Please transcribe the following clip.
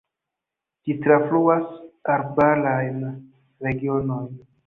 Ĝi trafluas arbarajn regionojn.